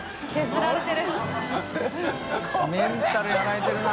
メンタルやられてるな。